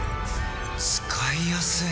使いやすい。